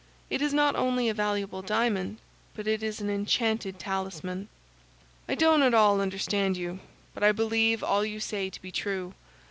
It is not only a valuable diamond, but it is an enchanted talisman." "I don't at all understand you, but I believe all you say to be true.